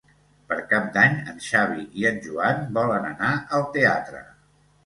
Per Cap d'Any en Xavi i en Joan volen anar al teatre.